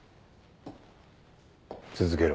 続けろ。